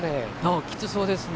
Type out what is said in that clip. きつそうですね。